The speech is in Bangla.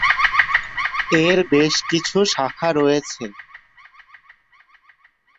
এর বেশ কিছু শাখা রয়েছে।